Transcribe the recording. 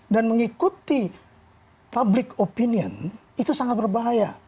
dan mengikuti public opinion itu sangat berbahaya